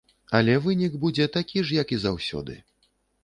Але вынік будзе такі ж, як заўсёды.